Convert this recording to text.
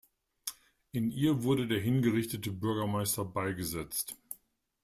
In ihr wurde der hingerichtete Bürgermeister beigesetzt.